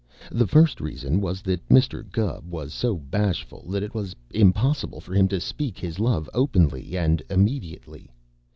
The first reason was that Mr. Gubb was so bashful that it was impossible for him to speak his love openly and immediately.